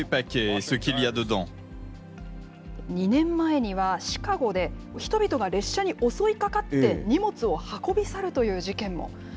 ２年前には、シカゴで人々が列車に襲いかかって、荷物を運び去るという事件も。